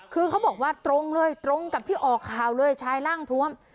คือเขาบอกว่าตรงเลยตรงกับที่ออกข่าวเลยชายร่างทวม